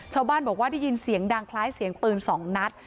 ชาวบ้านบอกว่าได้ยินเสียงดังคล้ายเสียงปืน๒นัด